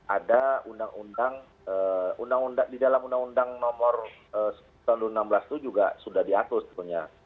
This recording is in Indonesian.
ada undang undang di dalam undang undang nomor enam belas itu juga sudah diatur sebenarnya